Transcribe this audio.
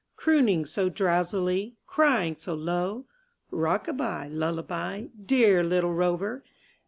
'*'^ Crooning so drowsily, crying so low — Rockaby, lullaby, dear little rover!